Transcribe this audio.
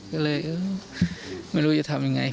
ก็เลยไม่รู้จะทำยังไง